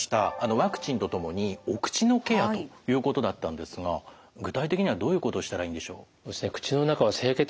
ワクチンと共にお口のケアということだったんですが具体的にはどういうことをしたらいいんでしょう？